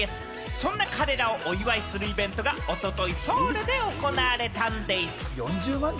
そんな彼らをお祝いするイベントがおとといソウルで行われたんでぃす。